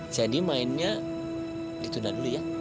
jadi mainnya ditunda dulu ya